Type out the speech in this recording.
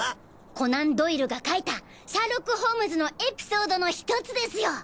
コナン・ドイルが書いた『シャーロック・ホームズ』のエピソードの１つですよ。